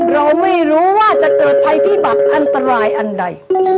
เราไม่รู้ว่าจะเกิดภัยพิบัติอันตรายอันใด